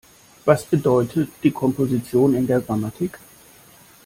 Was bedeutet die Komposition in der Grammatik?